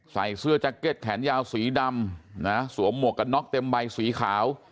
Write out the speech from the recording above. ใส่เสื้อแจ็คเก็ตแขนยาวสีดำนะสวมหมวกกันน็อกเต็มใบสีขาว